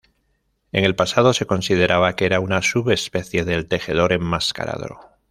En el pasado se consideraba que era una subespecie del tejedor enmascarado.